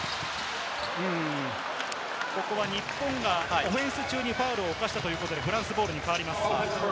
ここは日本がオフェンス中にファウルを犯したということでフランスボールに変わります。